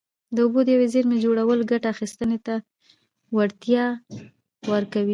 د اوبو د یوې زېرمې جوړول ګټه اخیستنې ته وړتیا ورکوي.